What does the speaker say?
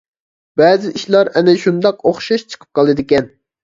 بەزى ئىشلار ئەنە شۇنداق ئوخشاش چىقىپ قالدىكەن.